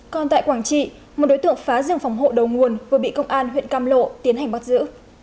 còn tại quảng trị một đối tượng phá rừng phòng hộ đầu nguồn vừa bị công an huyện cam lộ tiến hành bắt giữ